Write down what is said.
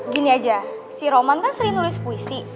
gini aja si roman kan sering nulis puisi